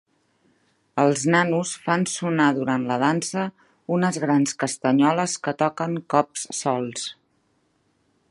Els nanos fan sonar durant la dansa unes grans castanyoles que toquen colps solts.